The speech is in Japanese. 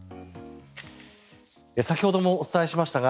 先ほどもお伝えしましたが